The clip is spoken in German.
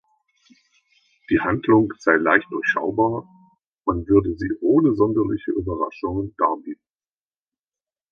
Die Handlung sei „"leicht durchschaubar"“; man würde sie „"ohne sonderliche Überraschungen"“ darbieten.